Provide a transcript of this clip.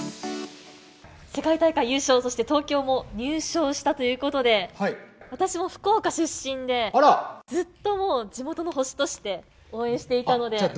世界大会優勝、そして東京も入賞したということで、私も福岡出身で、ずっともう地元の星として、応援していたので。